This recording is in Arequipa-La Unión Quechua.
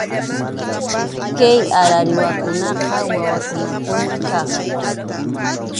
Kay arariwakunaqa waynakunapunim kaq.